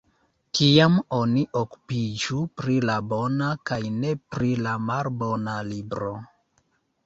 Tiam oni okupiĝu pri la bona, kaj ne pri la malbona libro!